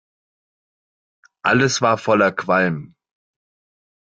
Alles war voller Qualm.